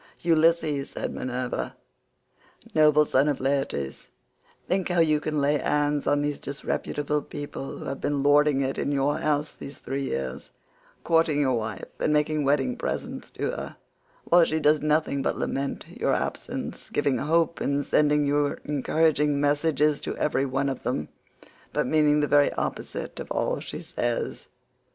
"Ulysses," said Minerva, "noble son of Laertes, think how you can lay hands on these disreputable people who have been lording it in your house these three years, courting your wife and making wedding presents to her, while she does nothing but lament your absence, giving hope and sending encouraging messages123 to every one of them, but meaning the very opposite of all she says."